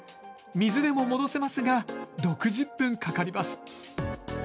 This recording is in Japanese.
水でも戻せますが６０分かかります。